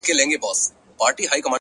وخت د هوښیارو پانګه ده!